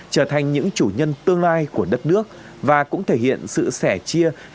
trở thành những chủ nhân tương lai của đất nước và cũng thể hiện sự sẻ chia